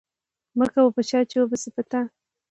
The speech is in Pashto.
مکوه په چا، چي و به سي په تا